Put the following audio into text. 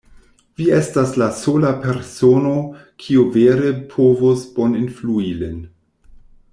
Vi estas la sola persono, kiu vere povos boninflui lin.